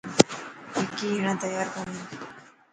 وڪي هيڻان تيار ڪوني هي.